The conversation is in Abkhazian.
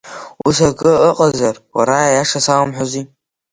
Ус акы ыҟазар, лара аиаша салымҳәози?